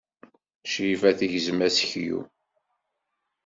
Crifa tegzem aseklu.